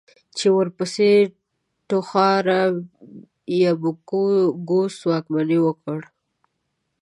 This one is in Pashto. چې ورپسې توخارا يبگوس واکمني وکړه.